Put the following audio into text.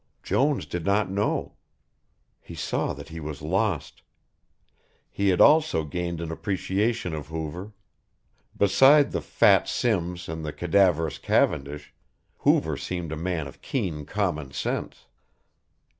Jones did not know. He saw that he was lost. He had also gained an appreciation of Hoover. Beside the fat Simms and the cadaverous Cavendish, Hoover seemed a man of keen common sense.